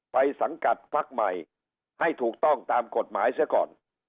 สังกัดพักใหม่ให้ถูกต้องตามกฎหมายเสียก่อน